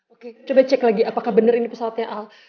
oke coba cek lagi apakah benar ini pesawatnya al